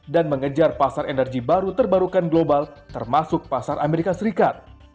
dan mengejar pasar energi baru terbarukan global termasuk pasar amerika serikat